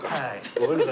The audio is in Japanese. ごめんなさい。